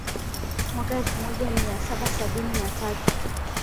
Mwaka elfumoja miasaba sabini na tatu